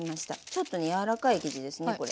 ちょっとね柔らかい生地ですね